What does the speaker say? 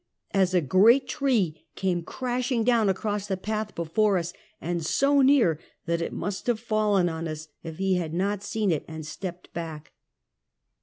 as a great tree came crashing down across the path before us, and so near that it must have fallen on us if he had not seen it and stepped back.